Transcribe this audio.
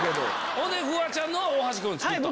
ほんでフワちゃんのは大橋君が作った。